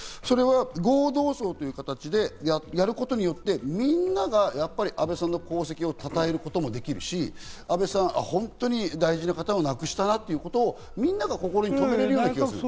合同葬という形でやることによって、みんなが安倍さんの功績をたたえることもできるし、安倍さん、本当に大事な方を亡くしたなということをみんなが心に留められる気がする。